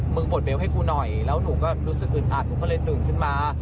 ปลดเบลต์ให้กูหน่อยแล้วหนูก็รู้สึกอึดอัดหนูก็เลยตื่นขึ้นมา